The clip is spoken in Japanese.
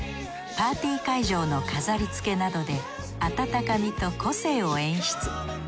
パーティー会場の飾り付けなどで温かみと個性を演出。